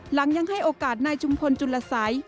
หลังยังให้โอกาสนายชุมพลจุลสัย